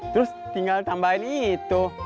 terus tinggal tambahin itu